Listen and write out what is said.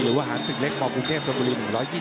หรือว่าหารศึกเล็กบรูเทพตุรพลี๑๒๕